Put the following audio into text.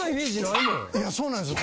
いやそうなんですよ。